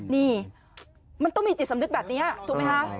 นี่มันต้องมีจิตสำนึกแบบนี้ถูกไหมคะ